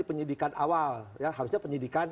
penyidikan awal ya harusnya penyidikan